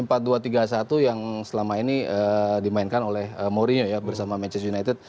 empat dua tiga satu yang selama ini dimainkan oleh mourinho ya bersama manchester united